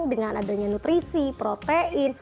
dengan adanya nutrisi protein